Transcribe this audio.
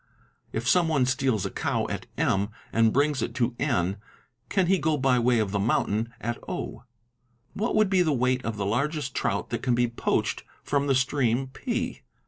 "If someone 'steals a cow at M and brings it to N, can he go by way of the mountain at 0?" 'What would be the weight of the largest trout that can be 'poached from the stream P?"